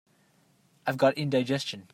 I've got indigestion.